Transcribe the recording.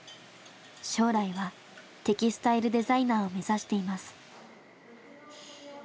将来はテキスタイルデザイナーを目指しています。